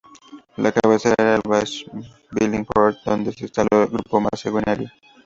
La cabecera era la base Billinghurst, donde se instaló el grupo más sanguinario.